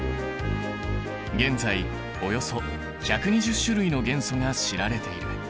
現在およそ１２０種類の元素が知られている。